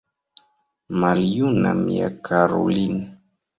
Maljuna mia karulin’!